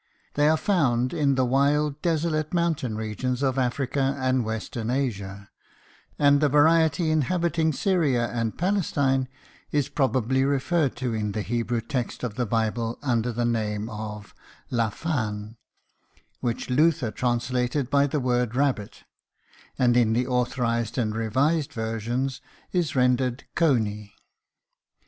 They are found in the wild, desolate mountain regions of Africa and western Asia, and the variety inhabiting Syria and Palestine is probably referred to in the Hebrew text of the Bible under the name of "laphan," which Luther translated by the word, "rabbit," and in the authorized and revised versions is rendered "cony."